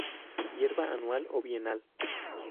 Hierba anual o bienal.